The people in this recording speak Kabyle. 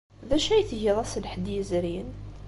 D acu ay tgiḍ ass n Lḥedd yezrin?